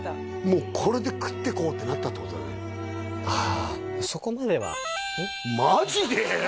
もうこれで食ってこうってなったってことだねああマジで？